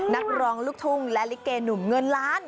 นักร้องลูกทุ่งและลิเกหนุ่มเงินล้าน